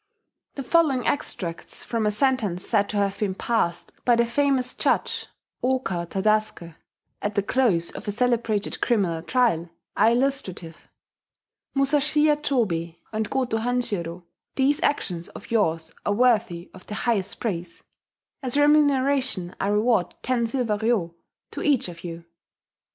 [*The following extracts from a sentence said to have been passed by the famous judge, Ooka Tadasuke, at the close of a celebrated criminal trial, are illustrative: "Musashiya Chobei and Goto Hanshiro, these actions of yours are worthy of the highest praise: as a remuneration I award ten silver ryo to each of you....